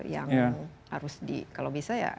yang harus di kalau bisa ya